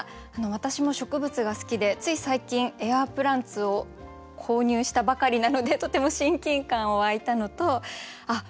私も植物が好きでつい最近エアープランツを購入したばかりなのでとても親近感湧いたのとあっ